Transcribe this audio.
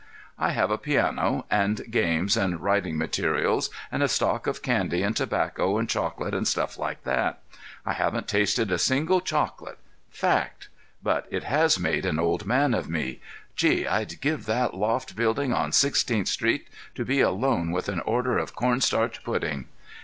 We have a piano, and games, and writing materials, and a stock of candy and tobacco and chocolate and stuff like that. I haven't tasted a single chocolate. Fact! But it has made an old man of me. Gee! I'd give that loft building on Sixteenth Street to be alone with an order of corn starch pudding.